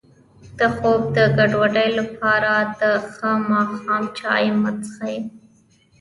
د خوب د ګډوډۍ لپاره د ماښام چای مه څښئ